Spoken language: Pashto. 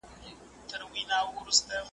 په تېر وخت کي فکري تنوع نه وه.